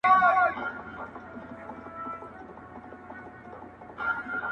ورته ایښی د مغول د حلوا تال دی٫